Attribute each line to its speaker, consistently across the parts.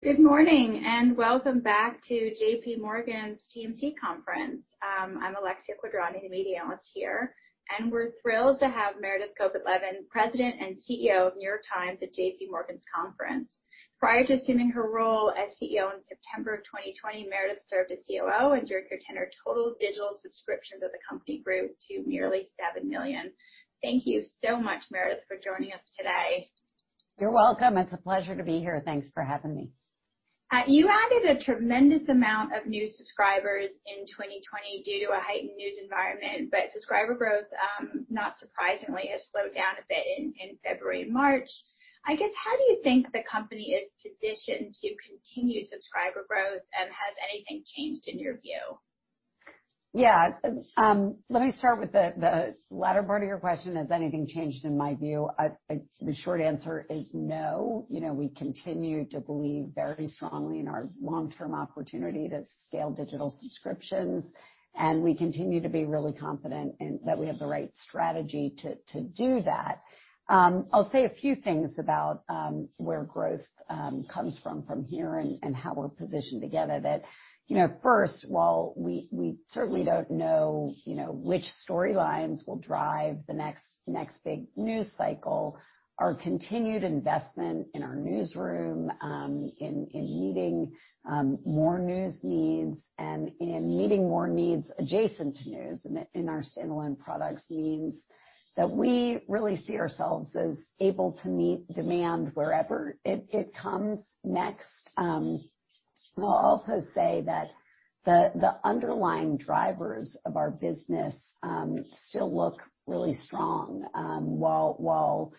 Speaker 1: Good morning. Welcome back to J.P. Morgan's TMT conference. I'm Alexia Quadrani, a media analyst here, and we're thrilled to have Meredith Kopit Levien, President and CEO of The New York Times Company at J.P. Morgan's conference. Prior to assuming her role as CEO in September 2020, Meredith served as COO and during her tenure, total digital subscriptions of the company grew to nearly 7 million. Thank you so much, Meredith, for joining us today.
Speaker 2: You're welcome. It's a pleasure to be here. Thanks for having me.
Speaker 1: You added a tremendous amount of new subscribers in 2020 due to a heightened news environment, but subscriber growth, not surprisingly, has slowed down a bit in February and March. How do you think the company is positioned to continue subscriber growth, and has anything changed in your view?
Speaker 2: Yeah. Let me start with the latter part of your question, has anything changed in my view? The short answer is no. We continue to believe very strongly in our long-term opportunity to scale digital subscriptions, and we continue to be really confident that we have the right strategy to do that. I'll say a few things about where growth comes from here and how we're positioned to get at it. First, while we certainly don't know which storylines will drive the next big news cycle, our continued investment in our newsroom, in meeting more news needs and meeting more needs adjacent to news in our standalone product needs, that we really see ourselves as able to meet demand wherever it comes next. I'll also say that the underlying drivers of our business still look really strong. While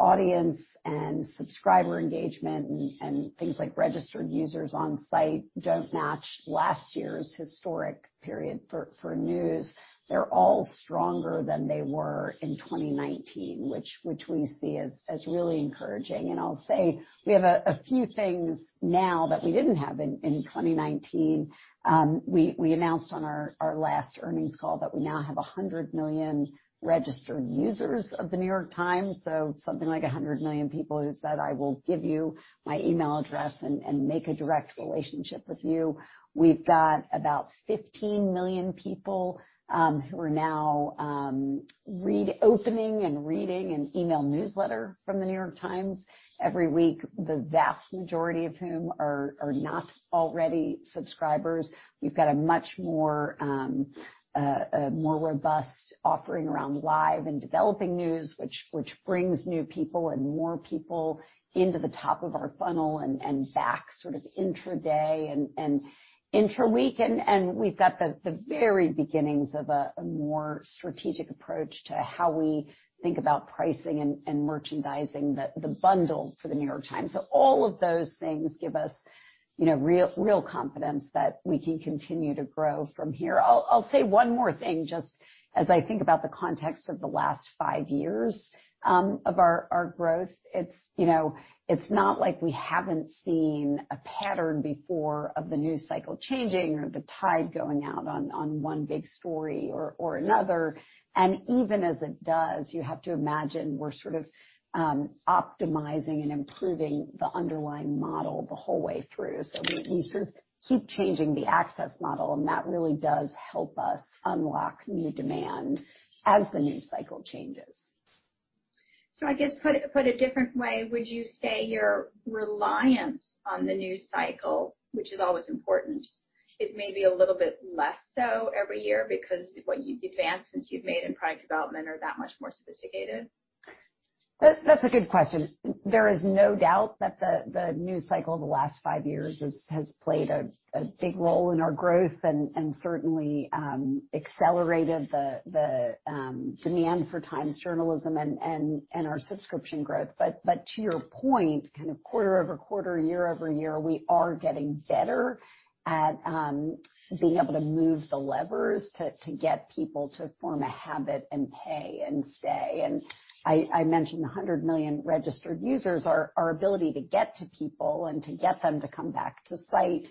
Speaker 2: audience and subscriber engagement and things like registered users on site don't match last year's historic period for news, they're all stronger than they were in 2019, which we see as really encouraging. I'll say we have a few things now that we didn't have in 2019. We announced on our last earnings call that we now have 100 million registered users of The New York Times. Something like 100 million people who said, "I will give you my email address and make a direct relationship with you." We've got about 15 million people who are now opening and reading an email newsletter from The New York Times every week, the vast majority of whom are not already subscribers. We've got a much more robust offering around live and developing news, which brings new people and more people into the top of our funnel and back sort of intraday and intraweek. We've got the very beginnings of a more strategic approach to how we think about pricing and merchandising the bundle for The New York Times. All of those things give us real confidence that we can continue to grow from here. I'll say one more thing, just as I think about the context of the last five years of our growth. It's not like we haven't seen a pattern before of the news cycle changing or the tide going out on one big story or another. Even as it does, you have to imagine we're sort of optimizing and improving the underlying model the whole way through. We sort of keep changing the access model, and that really does help us unlock new demand as the news cycle changes.
Speaker 1: I guess, put a different way, would you say your reliance on the news cycle, which is always important, is maybe a little bit less so every year because of what you've advanced since you've made and product development are that much more sophisticated?
Speaker 2: That's a good question. There is no doubt that the news cycle of the last five years has played a big role in our growth and certainly accelerated the demand for Times journalism and our subscription growth. To your point, kind of quarter-over-quarter, year-over-year, we are getting better at being able to move the levers to get people to form a habit and pay and stay. I mentioned 100 million registered users. Our ability to get to people and to get them to come back to site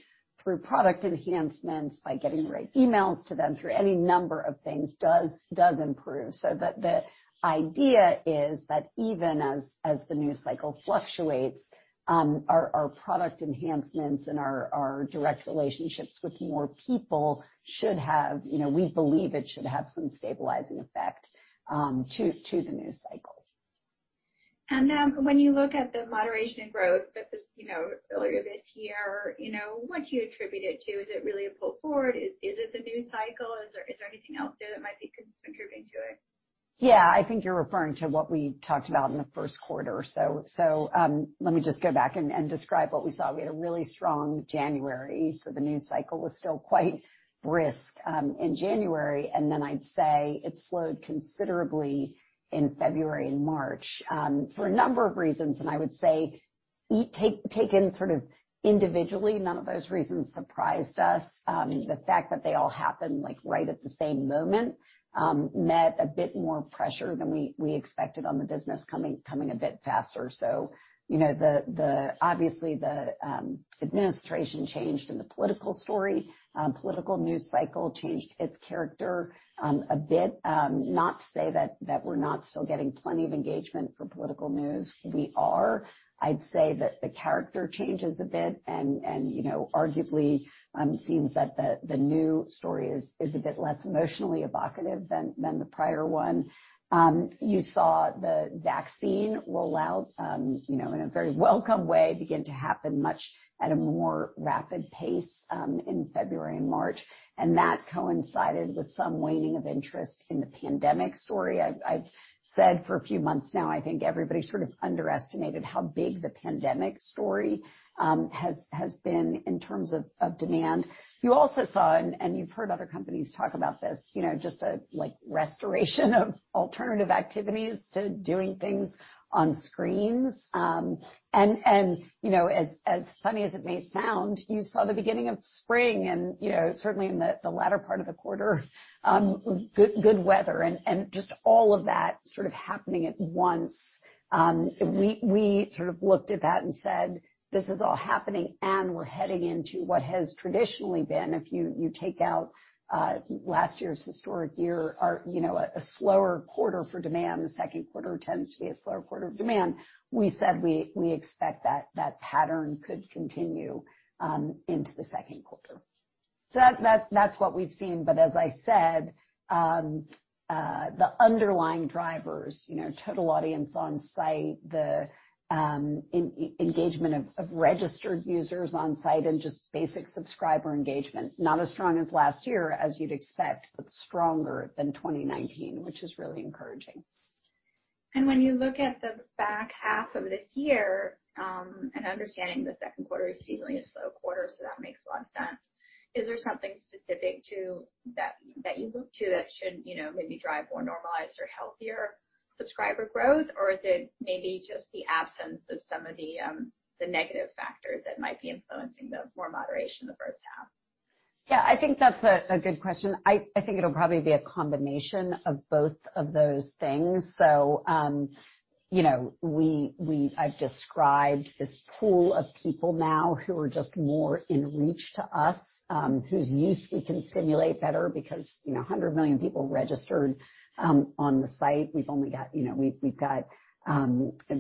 Speaker 2: through product enhancements, by getting the right emails to them, through any number of things, does improve. The idea is that even as the news cycle fluctuates, our product enhancements and our direct relationships with more people, we believe it should have some stabilizing effect to the news cycle.
Speaker 1: Now when you look at the moderation in growth that was earlier this year, what do you attribute it to? Is it really a pull forward? Is it the news cycle? Is there anything else there that might be contributing to it?
Speaker 2: I think you're referring to what we talked about in the first quarter. Let me just go back and describe what we saw. We had a really strong January, so the news cycle was still quite brisk in January. Then I'd say it slowed considerably in February and March for a number of reasons. I would say taken sort of individually, none of those reasons surprised us. The fact that they all happened right at the same moment, meant a bit more pressure than we expected on the business coming a bit faster. Obviously the administration changed and the political story, political news cycle changed its character a bit. Not to say that we're not still getting plenty of engagement for political news. We are. I'd say that the character changes a bit and arguably, it seems that the new story is a bit less emotionally evocative than the prior one. You saw the vaccine roll out, in a very welcome way, begin to happen much at a more rapid pace, in February and March. That coincided with some waning of interest in the pandemic story. I've said for a few months now, I think everybody sort of underestimated how big the pandemic story has been in terms of demand. You also saw, and you've heard other companies talk about this, just a restoration of alternative activities to doing things on screens. As funny as it may sound, you saw the beginning of spring and certainly in the latter part of the quarter, good weather and just all of that sort of happening at once. We sort of looked at that and said, "This is all happening, and we're heading into what has traditionally been, if you take out last year's historic year, a slower quarter for demand, the second quarter tends to be a slower quarter of demand." We said we expect that that pattern could continue into the second quarter. That's what we've seen, but as I said, the underlying drivers, total audience on site, the engagement of registered users on site, and just basic subscriber engagement. Not as strong as last year as you'd expect, but stronger than 2019, which is really encouraging.
Speaker 1: When you look at the back half of this year, and understanding the second quarter is typically a slow quarter, so that makes a lot of sense. Is there something specific that you look to that should maybe drive more normalized or healthier subscriber growth? Is it maybe just the absence of some of the negative factors that might be influencing the more moderation of the first half?
Speaker 2: I think that's a good question. I think it'll probably be a combination of both of those things. I've described this pool of people now who are just more in reach to us, whose needs we can simulate better because 100 million people registered on the site. We've only got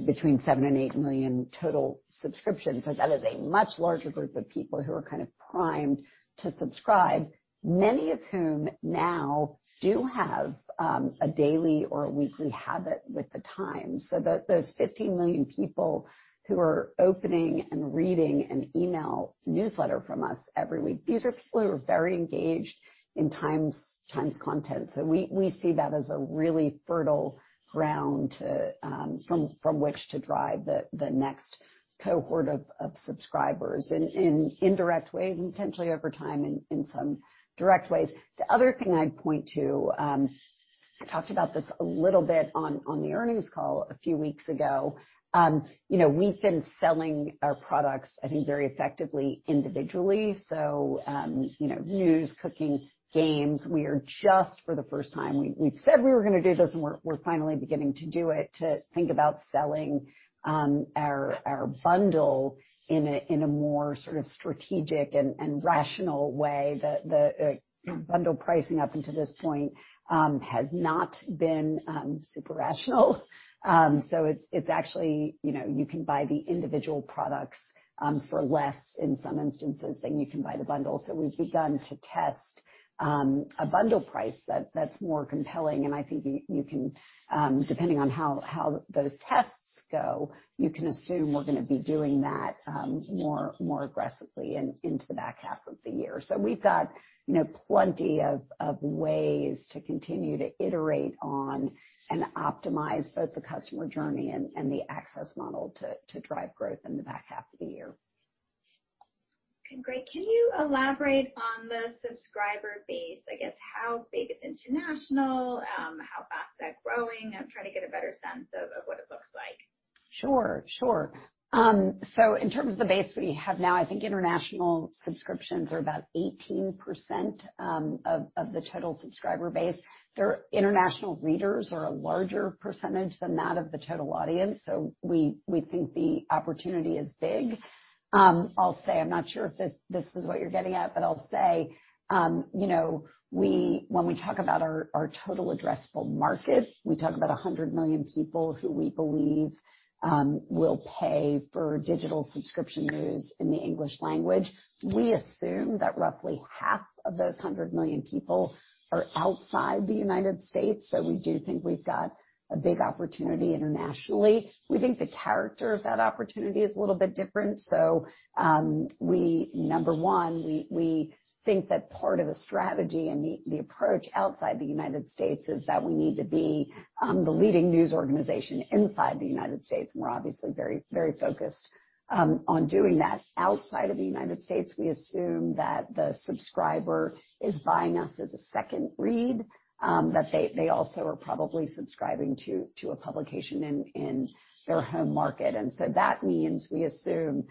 Speaker 2: between seven and eight million total subscriptions. That is a much larger group of people who are kind of primed to subscribe. Many of whom now do have a daily or a weekly habit with The Times. Those 15 million people who are opening and reading an email newsletter from us every week, these are people who are very engaged in Times content. We see that as a really fertile ground from which to drive the next cohort of subscribers in indirect ways, and potentially over time, in some direct ways. The other thing I'd point to, I talked about this a little bit on the earnings call a few weeks ago. We've been selling our products, I think, very effectively individually. News Cooking, Games. We are just for the first time, we've said we were going to do this, and we're finally beginning to do it, to think about selling our bundle in a more sort of strategic and rational way. The bundle pricing up until this point has not been super rational. It's actually, you can buy the individual products for less in some instances than you can buy the bundle. We've begun to test a bundle price that's more compelling. I think you can, depending on how those tests go, you can assume we're going to be doing that more aggressively into the back half of the year. We've got plenty of ways to continue to iterate on and optimize both the customer journey and the access model to drive growth in the back half of the year.
Speaker 1: Okay. Can you elaborate on the subscriber base? I guess how big is international? How fast they're growing? I'm trying to get a better sense of what it looks like.
Speaker 2: In terms of the base we have now, I think international subscriptions are about 18% of the total subscriber base. Their international readers are a larger percentage than that of the total audience, we think the opportunity is big. I'll say I'm not sure if this is what you're getting at, I'll say when we talk about our total addressable market, we talk about 100 million people who we believe will pay for digital subscription news in the English language. We assume that roughly half of those 100 million people are outside the U.S. We do think we've got a big opportunity internationally. We think the character of that opportunity is a little bit different. Number one, we think that part of the strategy and the approach outside the United States is that we need to be the leading news organization inside the United States, and we're obviously very focused on doing that. Outside of the United States, we assume that the subscriber is buying us as a second read, that they also are probably subscribing to a publication in their home market. That means we assume,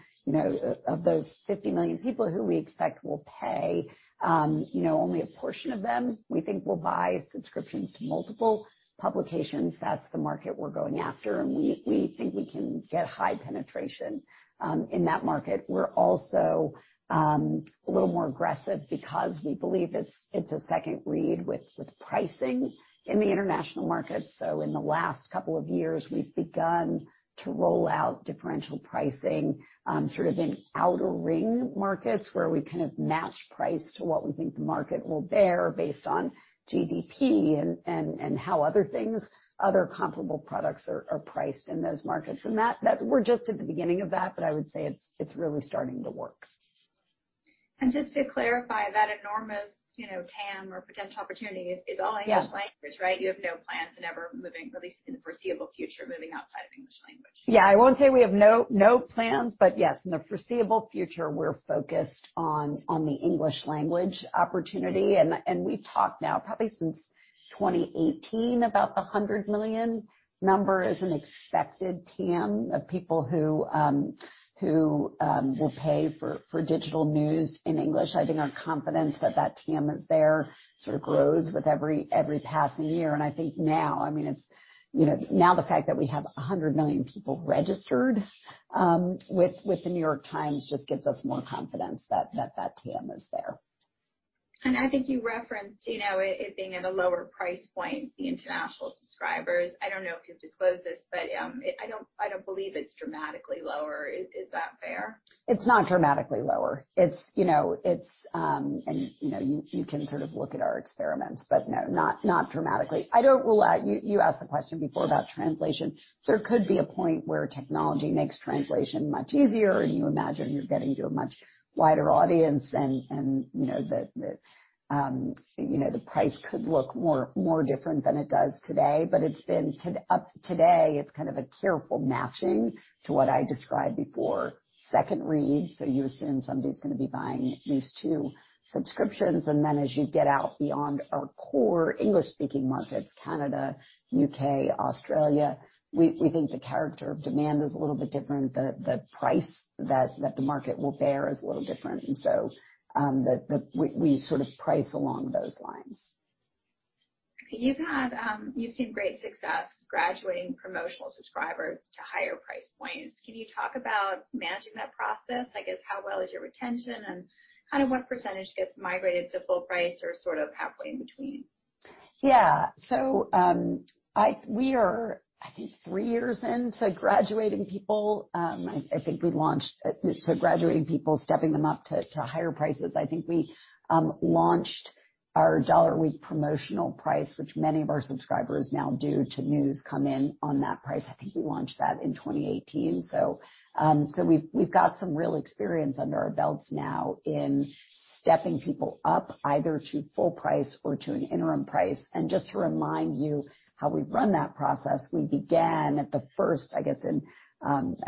Speaker 2: of those 50 million people who we expect will pay, only a portion of them, we think will buy subscriptions to multiple publications. That's the market we're going after, and we think we can get high penetration in that market. We're also a little more aggressive because we believe it's a second read with pricing in the international markets. In the last couple of years, we've begun to roll out differential pricing, sort of in outer ring markets where we kind of match price to what we think the market will bear based on GDP and how other things, other comparable products are priced in those markets. That we're just at the beginning of that, but I would say it's really starting to work.
Speaker 1: Just to clarify, that enormous TAM or potential opportunity is only in English language, right? You have no plans, at least in the foreseeable future, moving outside English language.
Speaker 2: I won't say we have no plans, yes, in the foreseeable future, we're focused on the English language opportunity, and we've talked now probably since 2018 about the 100 million number as an expected TAM of people who will pay for digital news in English. I think our confidence that TAM is there sort of grows with every passing year. I think now, the fact that we have 100 million people registered with The New York Times just gives us more confidence that TAM is there.
Speaker 1: I think you referenced it being at a lower price point, the international subscribers. I don't know if you disclose this, but I don't believe it's dramatically lower. Is that fair?
Speaker 2: It's not dramatically lower. You can sort of look at our experiments, but no, not dramatically. You asked the question before about translation. There could be a point where technology makes translation much easier, and you imagine you're getting to a much wider audience, and the price could look more different than it does today. Up to today, it's kind of a careful matching to what I described before. Second read, so you assume somebody's going to be buying at least two subscriptions, and then as you get out beyond our core English-speaking markets, Canada, U.K., Australia, we think the character of demand is a little bit different. The price that the market will bear is a little different. We sort of price along those lines.
Speaker 1: You've seen great success graduating promotional subscribers to higher price points. Can you talk about managing that process? How well is your retention, and what percentage gets migrated to full price or sort of halfway in between?
Speaker 2: Yeah. We are, I think, three years into graduating people. Graduating people, stepping them up to higher prices. I think we launched our Dollar a Week promotional price, which many of our subscribers now due to News come in on that price. I think we launched that in 2018. We've got some real experience under our belts now in stepping people up either to full price or to an interim price. Just to remind you how we've run that process, we began at the first, I guess in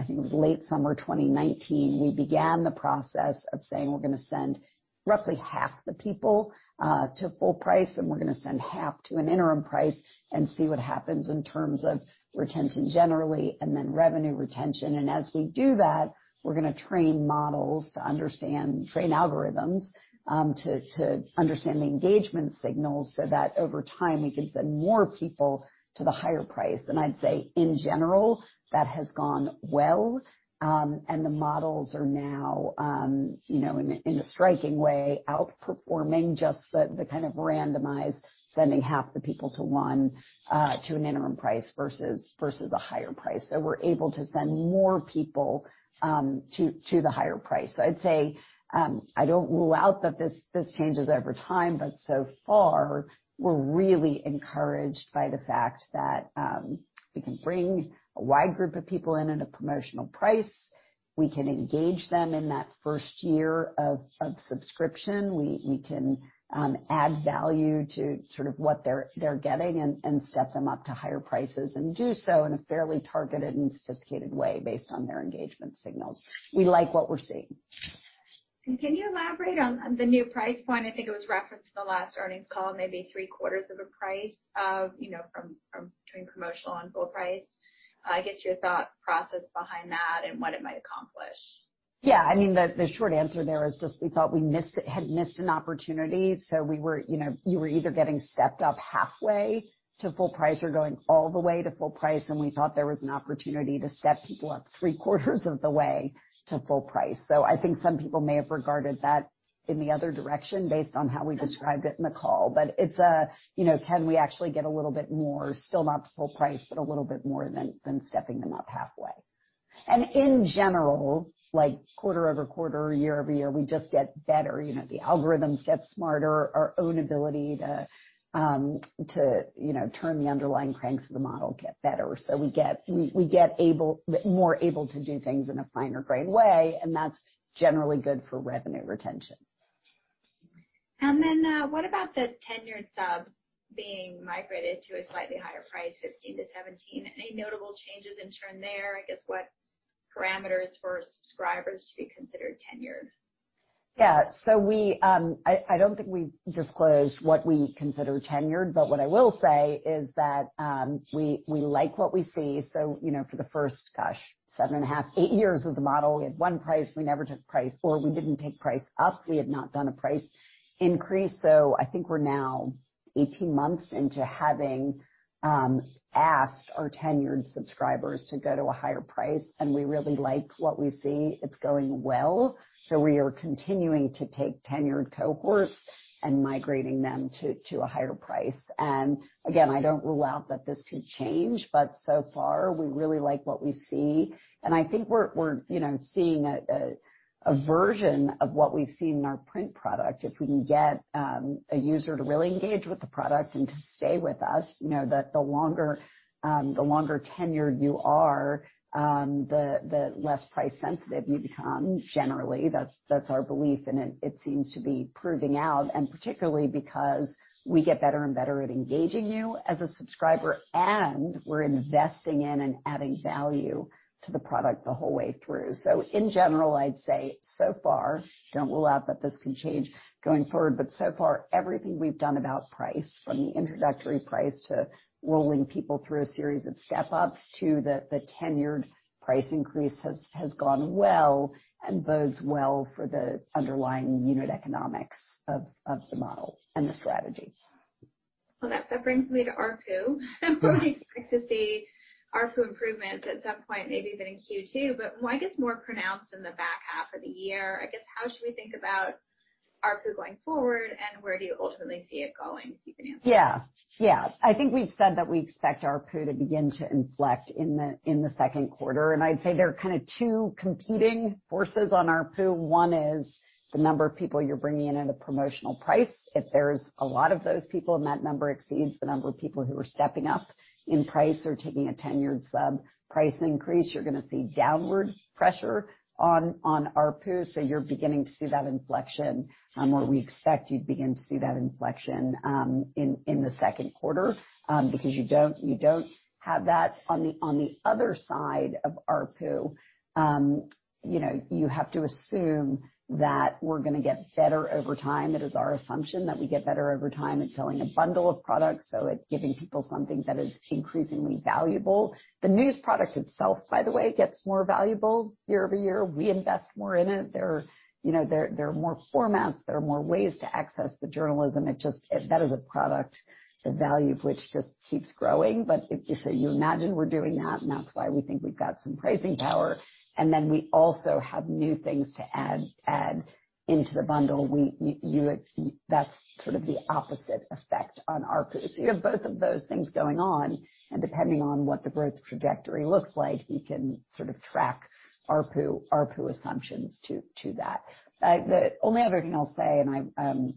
Speaker 2: late summer 2019. We began the process of saying we're going to send roughly half the people to full price, and we're going to send half to an interim price and see what happens in terms of retention generally and then revenue retention. As we do that, we're going to train models to understand, train algorithms to understand engagement signals so that over time we can send more people to the higher price. I'd say in general, that has gone well. The models are now in a striking way, outperforming just the kind of randomized, sending half the people to one to an interim price versus a higher price. We're able to send more people to the higher price. I'd say, I don't rule out that this changes over time, but so far, we're really encouraged by the fact that we can bring a wide group of people in at a promotional price. We can engage them in that first year of subscription. We can add value to what they're getting and step them up to higher prices and do so in a fairly targeted and sophisticated way based on their engagement signals. We like what we're seeing.
Speaker 1: Can you elaborate on the new price point? I think it was referenced in the last earnings call, maybe three-quarters of the price between promotional and full price. Get your thought process behind that and what it might accomplish.
Speaker 2: Yeah. The short answer there is just we thought we had missed an opportunity. You were either getting stepped up halfway to full price or going all the way to full price, and we thought there was an opportunity to step people up three-quarters of the way to full price. I think some people may have regarded that in the other direction based on how we described it in the call. It's a can we actually get a little bit more, still not to full price, but a little bit more than stepping them up halfway. In general, quarter-over-quarter, year-over-year, we just get better. The algorithms get smarter. Our own ability to turn the underlying cranks of the model get better. We get more able to do things in a finer grain way, and that's generally good for revenue retention.
Speaker 1: What about the tenured subs being migrated to a slightly higher price, $15-$17? Any notable changes in churn there? Guess what parameters for subscribers do you consider tenured?
Speaker 2: Yeah. I don't think we've disclosed what we consider tenured, but what I will say is that we like what we see. For the first, gosh, seven and a half, eight years with the model, we had one price. We never took price, or we didn't take price up. We have not done a price increase. I think we're now 18 months into having asked our tenured subscribers to go to a higher price, and we really like what we see. It's going well. We are continuing to take tenured cohorts and migrating them to a higher price. Again, I don't rule out that this could change, but so far, we really like what we see. I think we're seeing a version of what we've seen in our print product. If we can get a user to really engage with the product and to stay with us, that the longer tenured you are, the less price sensitive you become. Generally, that's our belief, and it seems to be proving out, and particularly because we get better and better at engaging you as a subscriber, and we're investing in and adding value to the product the whole way through. In general, I'd say so far, I don't rule out that this can change going forward, but so far, everything we've done about price, from the introductory price to rolling people through a series of step-ups to the tenured price increase, has gone well and bodes well for the underlying unit economics of the model and the strategy.
Speaker 1: That brings me to ARPU. We expect to see ARPU improvement at some point, maybe in Q2, but why is it more pronounced in the back half of the year? I guess how should we think about ARPU going forward, and where do you ultimately see it going, do you think?
Speaker 2: I think we've said that we expect ARPU to begin to inflect in the second quarter, and I'd say there are two competing forces on ARPU. One is the number of people you're bringing in at a promotional price. If there's a lot of those people, and that number exceeds the number of people who are stepping up in price or taking a tenured sub price increase, you're going to see downward pressure on ARPU. You're beginning to see that inflection, and where we expect to begin to see that inflection in the second quarter because you don't have that on the other side of ARPU. You have to assume that we're going to get better over time. It is our assumption that we get better over time at selling a bundle of products, so it's giving people something that is increasingly valuable. The news product itself, by the way, gets more valuable year-over-year. We invest more in it. There are more formats. There are more ways to access the journalism. That is a product, the value of which just keeps growing. You imagine we're doing that, and that's why we think we've got some pricing power, and then we also have new things to add into the bundle. That's sort of the opposite effect on ARPU. You have both of those things going on, and depending on what the growth trajectory looks like, you can sort of track ARPU assumptions to that. The only other thing I'll say, and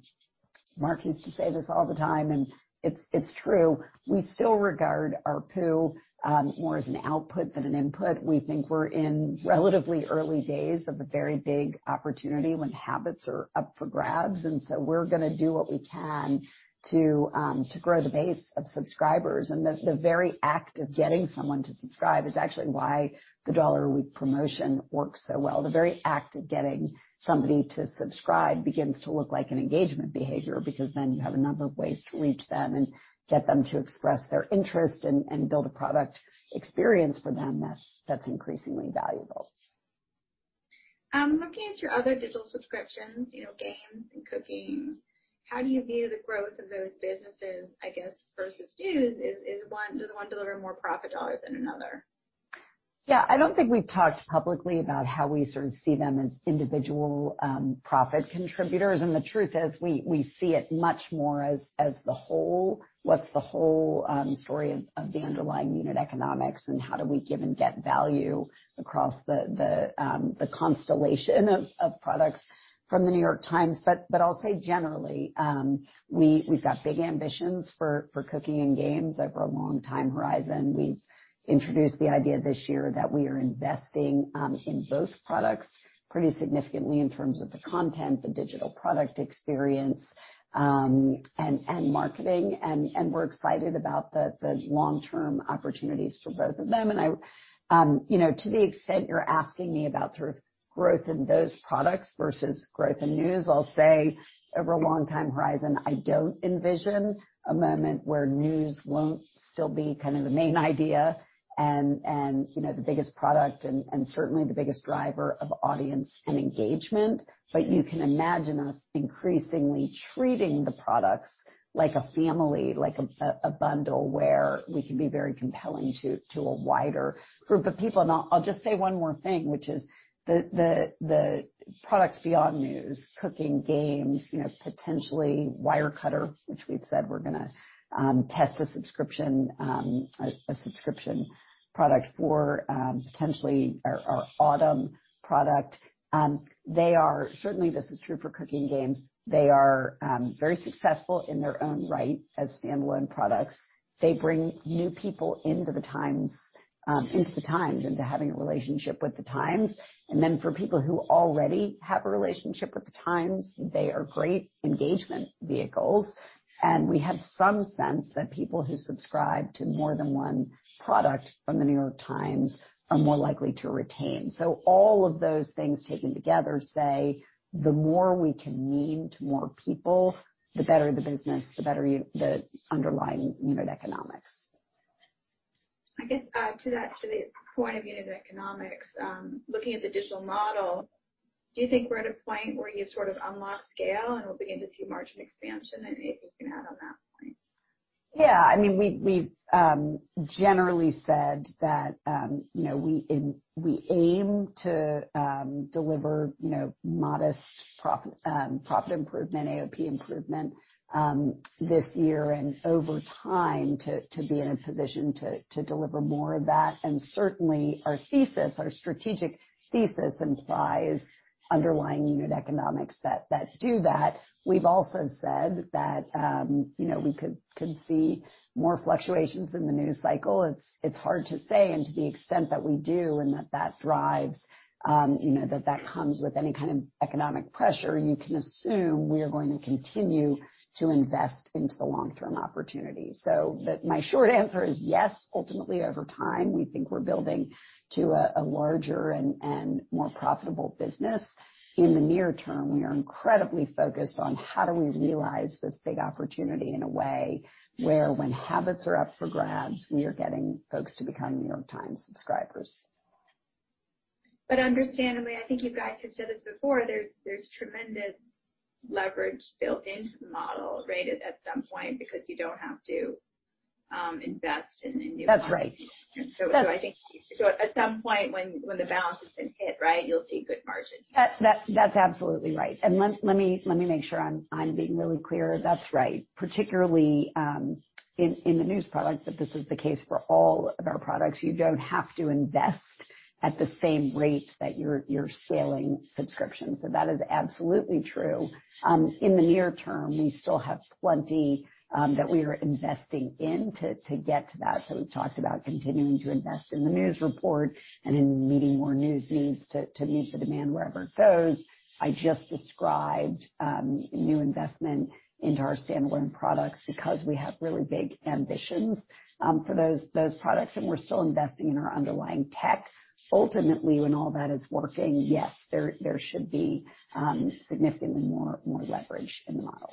Speaker 2: Mark used to say this all the time, and it's true. We still regard ARPU more as an output than an input. We think we're in relatively early days of a very big opportunity when habits are up for grabs. We're going to do what we can to grow the base of subscribers. The very act of getting someone to subscribe is actually why the Dollar a Week promotion works so well. The very act of getting somebody to subscribe begins to look like an engagement behavior because then you have a number of ways to reach them and get them to express their interest and build a product experience for them that's increasingly valuable.
Speaker 1: Looking at your other digital subscriptions, Games and Cooking, how do you view the growth of those businesses, I guess, versus News? Does one deliver more profit dollars than another?
Speaker 2: Yeah. I don't think we've talked publicly about how we sort of see them as individual profit contributors, and the truth is, we see it much more as the whole. What's the whole story of the underlying unit economics, and how do we give and get value across the constellation of products from The New York Times? I'll say generally, we've got big ambitions for Cooking and Games over a long time horizon. We introduced the idea this year that we are investing in both products pretty significantly in terms of the content, the digital product experience, and marketing. We're excited about those long-term opportunities for both of them. To the extent you're asking me about sort of growth in those products versus growth in News, I'll say over a long time horizon, I don't envision a moment where News won't still be kind of the main idea and the biggest product and certainly the biggest driver of audience and engagement. You can imagine us increasingly treating the products like a family, like a bundle, where we can be very compelling to a wider group of people. I'll just say one more thing, which is the products beyond News, Cooking, Games, potentially Wirecutter, which we've said we're going to test a subscription product for potentially our Audm product. Certainly, this is true for Cooking Games. They are very successful in their own right as standalone products. They bring new people into The Times, into having a relationship with The Times. For people who already have a relationship with The Times, they are great engagement vehicles. We have some sense that people who subscribe to more than one product from The New York Times are more likely to retain. All of those things taken together say, the more we can mean to more people, the better the business, the better the underlying unit economics.
Speaker 1: I guess to add to that point of unit economics, looking at the digital model, do you think we're at a point where you sort of unlock scale and will begin to see margin expansion at a significant amount at that point?
Speaker 2: Yeah, we've generally said that we aim to deliver modest profit improvement, AOP improvement this year and over time to be in a position to deliver more of that. Certainly our strategic thesis implies underlying unit economics that do that. We've also said that we could see more fluctuations in the news cycle. It's hard to say. To the extent that we do and that comes with any kind of economic pressure, you can assume we are going to continue to invest into the long-term opportunity. My short answer is yes. Ultimately, over time, we think we're building to a larger and more profitable business. In the near term, we are incredibly focused on how do we realize this big opportunity in a way where when habits are up for grabs, we are getting folks to become The New York Times subscribers.
Speaker 1: Understandably, I think you guys have said this before, there's tremendous leverage built into the model created at some point because you don't have to invest in the News.
Speaker 2: That's right.
Speaker 1: At some point when the balance has been hit, you'll see good margin expansion.
Speaker 2: That's absolutely right. Let me make sure I'm being really clear. That's right. Particularly in the news product, but this is the case for all of our products. You don't have to invest at the same rate that you're scaling subscriptions. That is absolutely true. In the near term, we still have plenty that we are investing in to get to that. We've talked about continuing to invest in the news report and in meeting more news needs to meet the demand wherever it goes. I just described new investment in our standalone products because we have really big ambitions for those products, and we're still investing in our underlying tech. Ultimately, when all that is working, yes, there should be significantly more leverage in the model.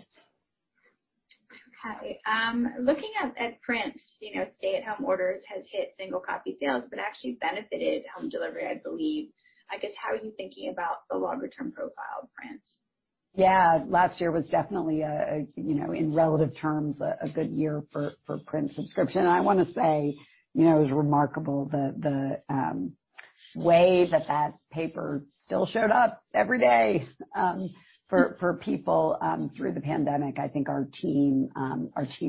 Speaker 1: Okay. Looking at print, stay at home orders has hit single copy sales, but actually benefited home delivery, I believe. I guess, how are you thinking about the longer-term profile of print?
Speaker 2: Last year was definitely, in relative terms, a good year for print subscription. I want to say it was remarkable the way that that paper still showed up every day for people through the pandemic. I think our team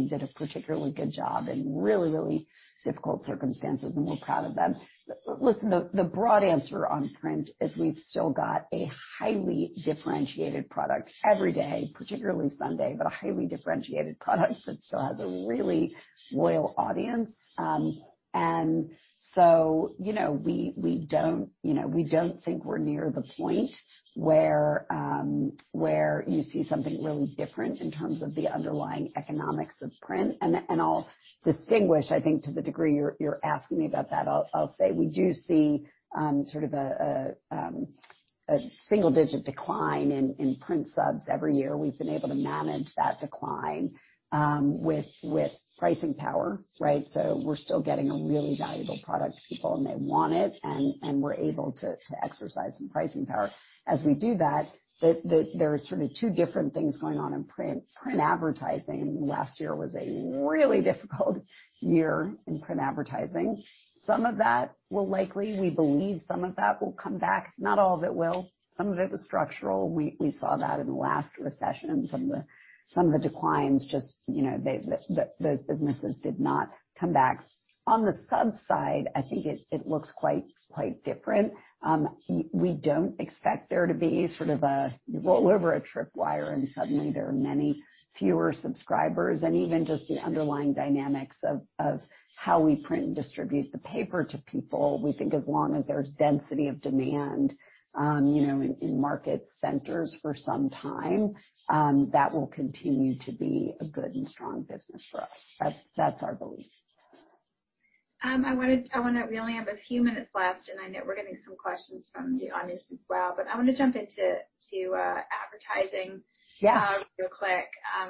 Speaker 2: did a particularly good job in really difficult circumstances, and we're proud of them. The broad answer on print is we've still got a highly differentiated product every day, particularly Sunday, a highly differentiated product that still has a really loyal audience. We don't think we're near the point where you see something really different in terms of the underlying economics of print. I'll distinguish, I think to the degree you're asking me about that, I'll say we do see sort of a single-digit decline in print subs every year. We've been able to manage that decline with pricing power, right? We're still getting a really valuable product to people, and they want it, and we're able to exercise some pricing power. As we do that, there are sort of two different things going on in print. Print advertising, last year was a really difficult year in print advertising. Some of that will likely, we believe some of that will come back. Not all of it will. Some of it was structural. We saw that in the last recession and some of the declines, just those businesses did not come back. On the subs side, I think it looks quite different. We don't expect there to be sort of a, you go over a tripwire and suddenly there are many fewer subscribers. Even just the underlying dynamics of how we print and distribute the paper to people, we think as long as there's density of demand in market centers for some time, that will continue to be a good and strong business for us. That's our belief.
Speaker 1: I know we only have a few minutes left. I know we're getting some questions from the audience as well. I'm going to jump into advertising.
Speaker 2: Yes
Speaker 1: real quick. I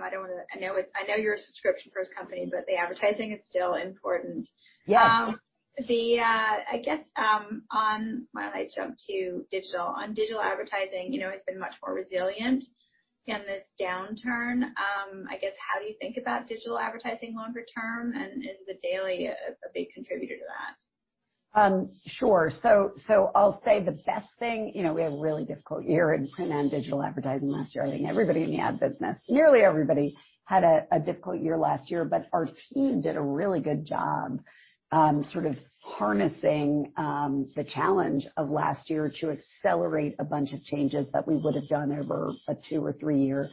Speaker 1: know you're a subscription-first company, but the advertising is still important.
Speaker 2: Yeah.
Speaker 1: I guess I might jump to digital. On digital advertising, it's been much more resilient in this downturn. I guess how do you think about digital advertising longer term, and is The Daily a big contributor to that?
Speaker 2: Sure. I'll say the best thing, we had a really difficult year in print and digital advertising last year. I think everybody in the ad business, nearly everybody, had a difficult year last year. Our team did a really good job sort of harnessing the challenge of last year to accelerate a bunch of changes that we would've done over a two or three year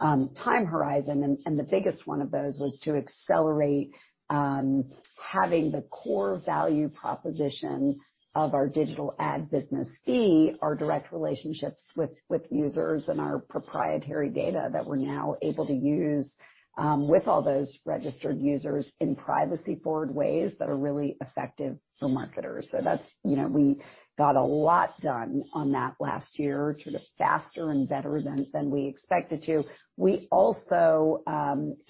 Speaker 2: time horizon. The biggest one of those was to accelerate having the core value proposition of our digital ad business be our direct relationships with users and our proprietary data that we're now able to use with all those registered users in privacy-forward ways that are really effective for marketers. We got a lot done on that last year, sort of faster and better than we expected to. We also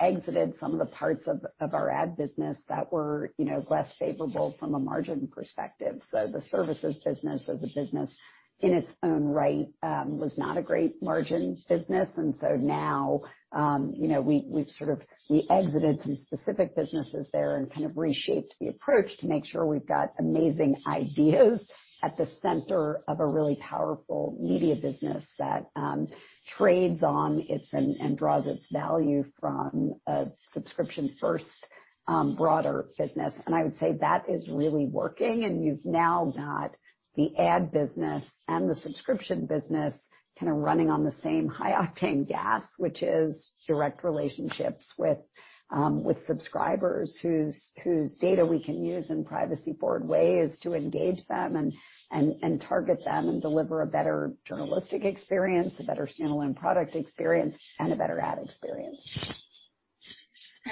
Speaker 2: exited some of the parts of our ad business that were less favorable from a margin perspective. The services business was a business in its own right, was not a great margin business. Now, we exited some specific businesses there and kind of reshaped the approach to make sure we've got amazing ideas at the center of a really powerful media business that trades on and draws its value from a subscription-first, broader business. I would say that is really working. You've now got the ad business and the subscription business kind of running on the same high-octane gas, which is direct relationships with subscribers whose data we can use in privacy-forward ways to engage them and target them and deliver a better journalistic experience, a better standalone product experience, and a better ad experience.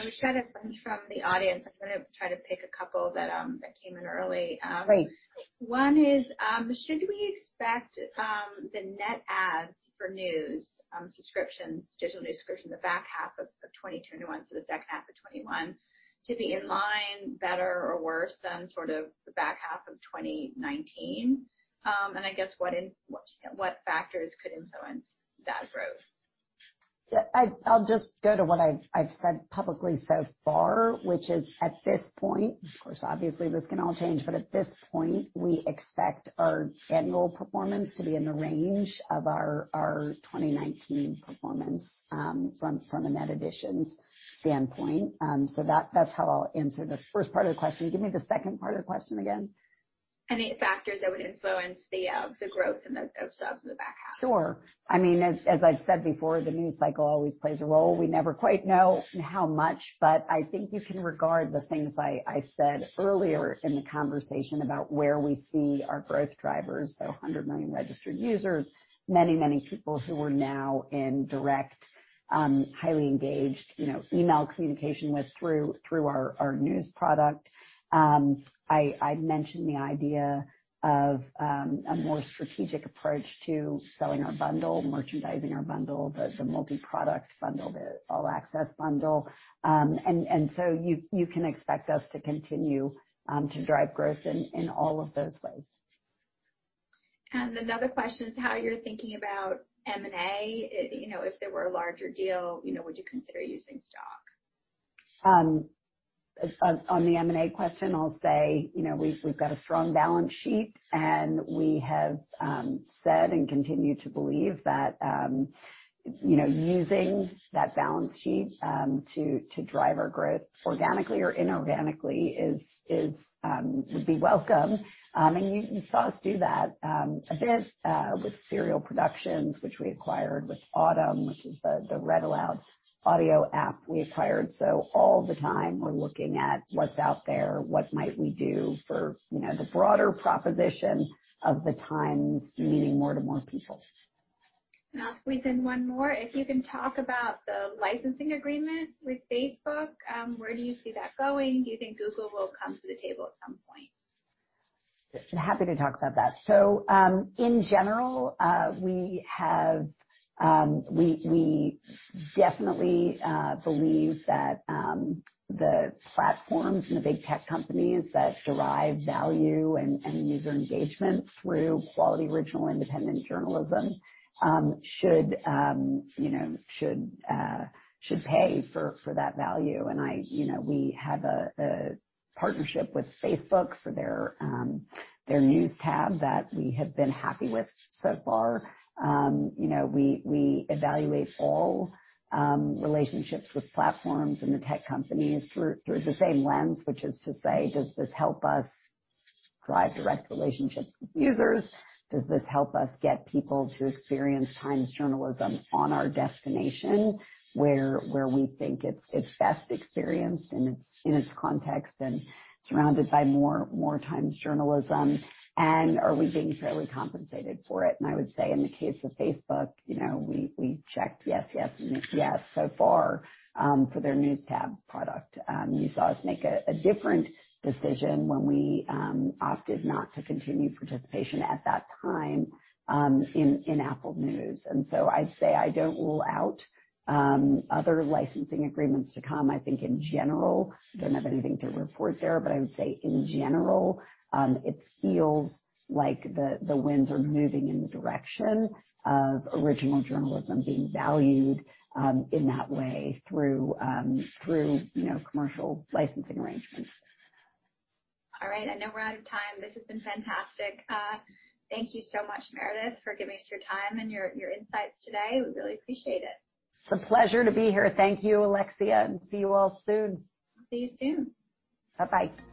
Speaker 1: I was trying to, from the audience, I'm going to try to pick a couple that came in early.
Speaker 2: Great.
Speaker 1: One is, should we expect the net adds for news subscriptions, digital news subscriptions, the back half of 2021, so the second half of 2021 to be in line, better or worse than sort of the back half of 2019? I guess what factors could influence that growth?
Speaker 2: Yeah, I'll just go to what I've said publicly so far, which is at this point, of course, obviously this can all change, but at this point, we expect our general performance to be in the range of our 2019 performance from a net additions standpoint. That's how I'll answer the first part of the question. Give me the second part of the question again.
Speaker 1: Any factors that would influence the growth of subs in the back half?
Speaker 2: Sure. As I said before, the news cycle always plays a role. We never quite know how much, but I think you can regard the things I said earlier in the conversation about where we see our growth drivers. 100 million registered users, many, many people who we're now in direct, highly engaged, email communication with through our news product. I mentioned the idea of a more strategic approach to selling our bundle, merchandising our bundle, the multi-product bundle, the all-access bundle. You can expect us to continue to drive growth in all of those ways.
Speaker 1: Another question is how you're thinking about M&A. If there were a larger deal, would you consider using stock?
Speaker 2: On the M&A question, I'll say, we've got a strong balance sheet, and we have said and continue to believe that using that balance sheet to drive our growth organically or inorganically would be welcome. You saw us do that a bit with Serial Productions, which we acquired, with Audm, which is the read-aloud audio app we acquired. All the time we're looking at what's out there, what might we do for the broader proposition of The Times meaning more to more people.
Speaker 1: I'll squeeze in one more. If you can talk about the licensing agreement with Facebook, where do you see that going? Do you think Google will come to the table at some point?
Speaker 2: In general, we definitely believe that the platforms and the big tech companies that derive value and user engagement through quality regional independent journalism should pay for that value. We have a partnership with Facebook for their News Tab that we have been happy with so far. We evaluate all relationships with platforms and the tech companies through the same lens, which is to say, does this help us drive direct relationships with users? Does this help us get people to experience Times journalism on our destination, where we think it's best experienced in its context and surrounded by more Times journalism, and are we being fairly compensated for it? I would say in the case of Facebook, we checked yes, and yes so far for their News Tab product. You saw us make a different decision when we opted not to continue participation at that time in Apple News. I'd say I don't rule out other licensing agreements to come. I think in general, I don't have anything to report there, but I would say in general, it feels like the winds are moving in the direction of original journalism being valued in that way through commercial licensing arrangements.
Speaker 1: All right. I know we're out of time. This has been fantastic. Thank you so much, Meredith, for giving us your time and your insights today. We really appreciate it.
Speaker 2: It's a pleasure to be here. Thank you, Alexia, and see you all soon.
Speaker 1: See you soon.
Speaker 2: Bye-bye.